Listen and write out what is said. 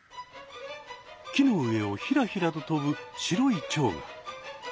木の上をひらひらと飛ぶ白いチョウが。